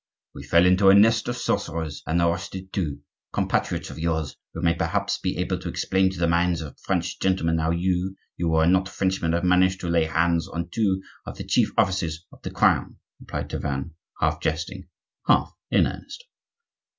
"We fell into a nest of sorcerers and arrested two, compatriots of yours, who may perhaps be able to explain to the minds of French gentlemen how you, who are not Frenchmen, have managed to lay hands on two of the chief offices of the Crown," replied Tavannes, half jesting, half in earnest.